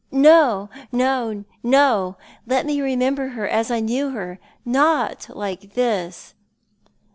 "No, no, no! Let me remember her as I knew her — not like this."